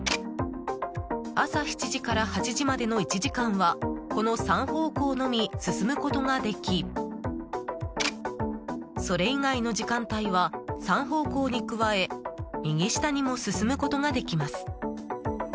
朝７時から８時までの１時間はこの３方向のみ進むことができそれ以外の時間帯は３方向に加え右下にも進むことができます。